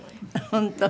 本当？